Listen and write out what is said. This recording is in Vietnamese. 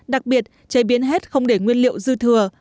đặc biệt chế biến hết không để nguyên liệu dư thừa